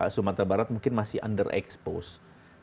sumatera barat mungkin masih underexposed